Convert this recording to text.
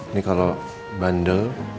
ini kalau bandel